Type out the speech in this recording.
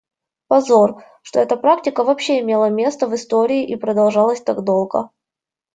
Позор, что эта практика вообще имела место в истории и продолжалась так долго.